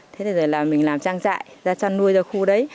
thế thì rồi là mình làm trang trại ra chăn nuôi ra khu đấy